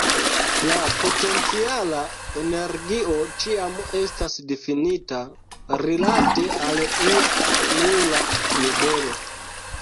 La potenciala energio ĉiam estas difinita rilate al ia nula nivelo.